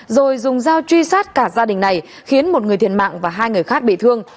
rồi dùng dao truy sát cả gia đình này khiến một người thiệt mạng và hai người khác bị thương